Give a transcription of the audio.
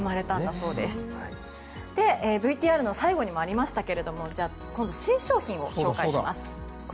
そしてＶＴＲの最後にもありましたが今度、新商品を紹介します。